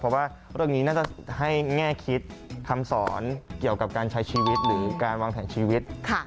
เพราะว่าเรื่องนี้น่าจะให้แง่คิดคำสอนเกี่ยวกับการใช้ชีวิตหรือการวางแผนชีวิต